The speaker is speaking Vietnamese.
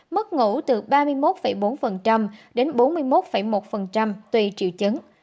mức ngủ từ ba mươi một bốn đến bốn mươi một một tùy triệu chứng